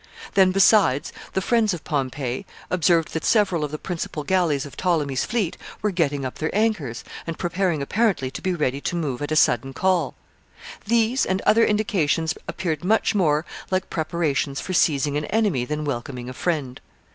Then, besides, the friends of Pompey observed that several of the principal galleys of Ptolemy's fleet were getting up their anchors, and preparing apparently to be ready to move at a sudden call These and other indications appeared much more like preparations for seizing an enemy than welcoming a friend.